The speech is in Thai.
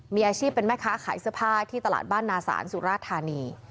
มีอาชีพเป็นแม่ค้าขายเสื้อผ้าที่ตลาดบ้านนาศาลสุราธานี